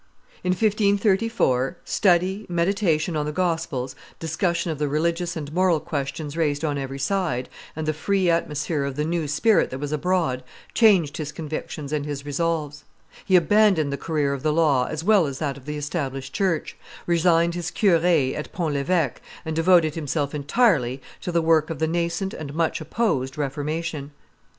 In 1534, study, meditation on the Gospels, discussion of the religious and moral questions raised on every side, and the free atmosphere of the new spirit that was abroad, changed his convictions and his resolves; he abandoned the career of the law as well as that of the established church, resigned his cure at Pont l'Eveque, and devoted himself entirely to the work of the nascent and much opposed Reformation.